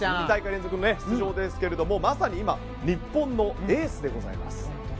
２大会連続出場ですけどまさに今日本のエースでございます。